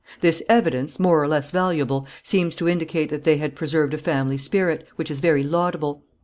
This evidence, more or less valuable, seems to indicate that they had preserved a family spirit, which is very laudable.